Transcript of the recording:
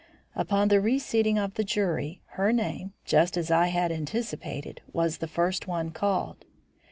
Upon the reseating of the jury, her name, just as I had anticipated, was the first one called.